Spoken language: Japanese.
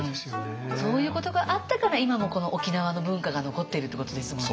そういうことがあったから今もこの沖縄の文化が残っているってことですもんね